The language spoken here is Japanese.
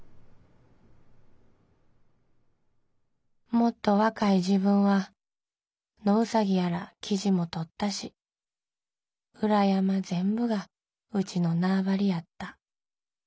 「もっと若い時分は野ウサギやらキジも獲ったし裏山全部がうちの縄張りやった」。